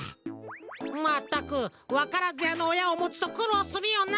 まったくわからずやのおやをもつとくろうするよな。